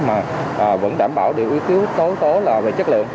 mà vẫn đảm bảo được yếu tố là về chất lượng